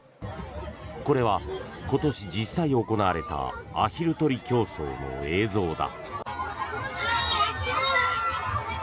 これは今年実際行われたアヒル取り競争の映像だ。